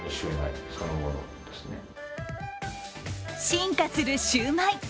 進化するシュウマイ。